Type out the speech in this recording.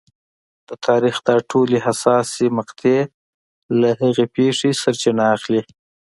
د تاریخ دا ټولې حساسې مقطعې له هغې پېښې سرچینه اخلي.